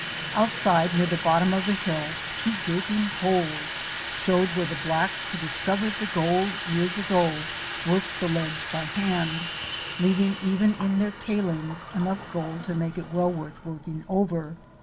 Outside near the bottom of the hill, two gaping holes showed where the blacks who discovered the gold years ago worked the ledge by hand — leaving even in their tailings enough gold to make it well worth working over.